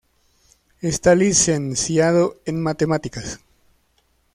Está licenciado en Matemáticas.